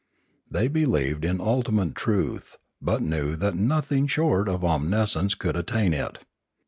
They believed in ultimate truth, but knew that nothing short of omniscience could attain it.